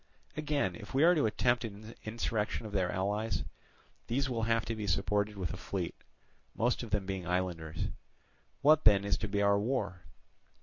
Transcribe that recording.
Again, if we are to attempt an insurrection of their allies, these will have to be supported with a fleet, most of them being islanders. What then is to be our war?